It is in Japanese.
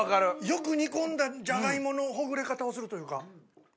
よく煮込んだじゃがいものほぐれ方をするというか。